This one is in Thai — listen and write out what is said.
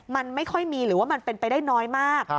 มันไม่ค่อยมีหรือว่ามันเป็นไปได้น้อยมาก